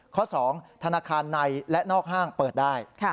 ๒ธนาคารในและนอกห้างเปิดได้